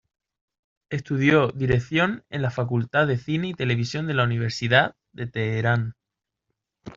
Estudió dirección en la Facultad de Cine y Televisión de la Universidad de Teherán.